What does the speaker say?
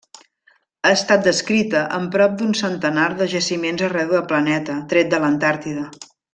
Ha estat descrita en prop d'un centenar de jaciments d'arreu del planeta, tret de l'Antàrtida.